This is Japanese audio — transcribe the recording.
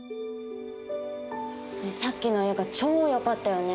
さっきの映画超よかったよね。